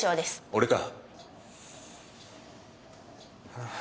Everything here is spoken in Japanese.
俺か。